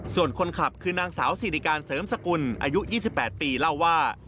ส่วนคนขับคือนางสาวสิริการเสริมสกุลอายุ๒๘ปีเล่าว่า